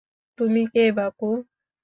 তুমি কে বাপু?